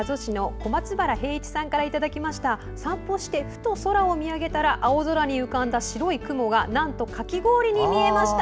公園を散歩してふと空を見上げたら青空に浮かんだ白い雲がなんとかき氷に見えました。